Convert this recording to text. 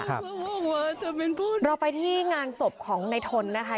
ครับเราไปที่งานศพของนายทนนะคะ